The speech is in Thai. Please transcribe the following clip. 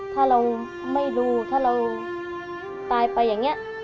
ถ้าเราไม่ดูถ้าเราตายไปอย่างนี้